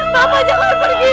papa jangan pergi